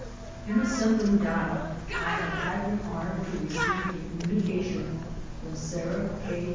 In assembling data I have had the honor to receive a com munication from Sarah K.